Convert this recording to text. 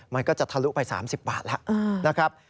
มันก็จะทะลุไป๓๐บาทแล้วนะครับ